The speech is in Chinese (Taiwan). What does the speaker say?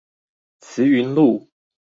慈雲路